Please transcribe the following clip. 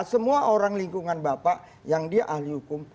semua orang lingkungan bapak yang dia ahli hukum